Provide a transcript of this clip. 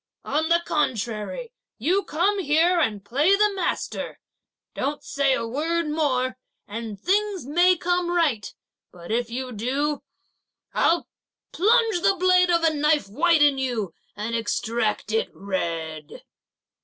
on the contrary, you come here and play the master; don't say a word more, and things may come right; but if you do, I'll plunge the blade of a knife white in you and extract it red."